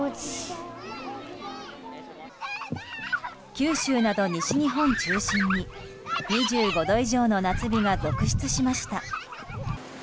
九州など西日本中心に２５度以上の夏日が続出しました。